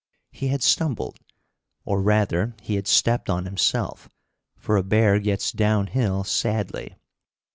He had stumbled, or rather, he had stepped on himself, for a bear gets down hill sadly.